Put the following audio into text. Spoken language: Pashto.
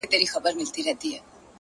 • د ټول کلي خلک ماته کړي ښراوي ,